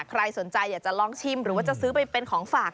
ใครสนใจอยากจะลองชิมหรือว่าจะซื้อไปเป็นของฝาก